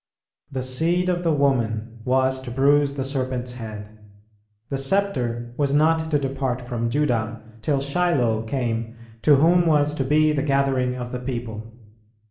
The Seed of the woman was to bruise the serpent's head; the sceptre was not to depart from Judah till Shiloh came, to whom was to be the gathering of the people.